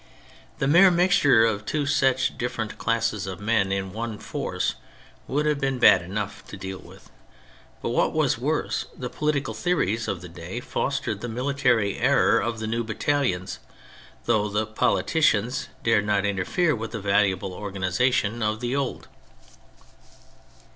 The mere mixture of two such different classes of men in one force would have been bad enough to deal with, but what was worse, the politi cal theories of the day fostered the military error of the new battalions though the politi cians dared not interfere with the valuable organisation of the old.